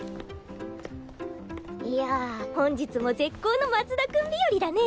いや本日も絶好の松田君日和だね。